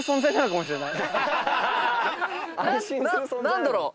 何だろう？